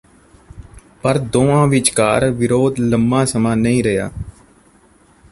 ਪਰ ਦੋਵਾਂ ਵਿਚਕਾਰ ਵਿਰੋਧ ਲੰਮਾ ਸਮਾ ਨਹੀਂ ਰਿਹਾ